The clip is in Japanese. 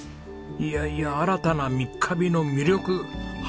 いやいや新たな三ヶ日の魅力発信できそうですね！